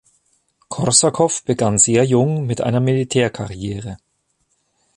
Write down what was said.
Korsakow begann sehr jung mit einer Militärkarriere.